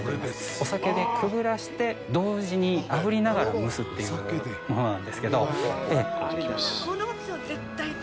お酒にくぐらせて、同時にあぶりながら蒸すというものなんですけど。